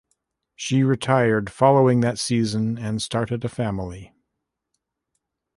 She retired following that season and started a family.